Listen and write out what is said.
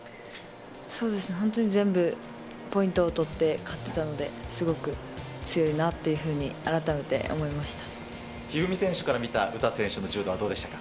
そうですね、本当に全部ポイントを取って勝ってたので、すごく強いなぁってい一二三選手から見た詩選手の柔道はどうでしたか？